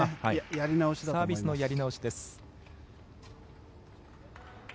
サービスのやり直しです。